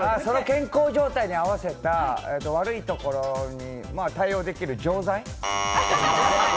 健康状態に合わせた、悪いところに対応できる錠剤。